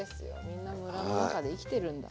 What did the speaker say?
みんなムラの中で生きてるんだそう。